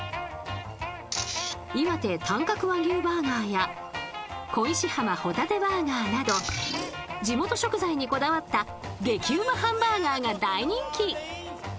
いわて短角和牛バーガーや恋し浜ホタテバーガーなど地元食材にこだわった激うまハンバーガーが大人気。